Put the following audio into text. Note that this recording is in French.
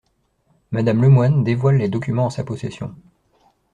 Madame Lemoine dévoile les documents en sa possession.